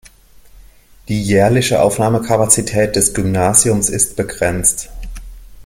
Die jährliche Aufnahmekapazität des Gymnasiums ist begrenzt.